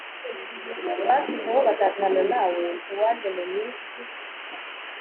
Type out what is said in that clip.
Banshizeho batatana nawe ntiwaje mu minsi